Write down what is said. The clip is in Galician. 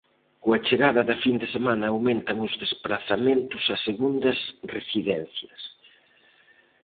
Coa chegada da fin de semana aumentan os desprazamentos a segundas residencias.